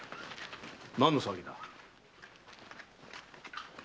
何の騒ぎだ？